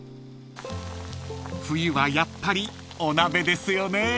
［冬はやっぱりお鍋ですよね］